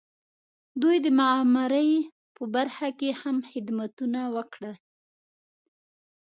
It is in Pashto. دوی د معمارۍ په برخه کې هم خدمتونه وکړل.